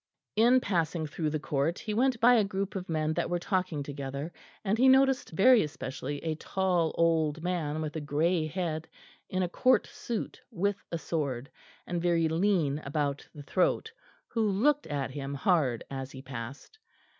In passing through the court he went by a group of men that were talking together, and he noticed very especially a tall old man with a grey head, in a Court suit with a sword, and very lean about the throat, who looked at him hard as he passed.